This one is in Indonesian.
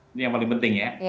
ini yang paling penting ya